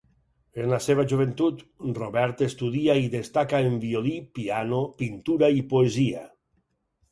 En la seva joventut, Robert estudia i destaca en violí, piano, pintura i poesia.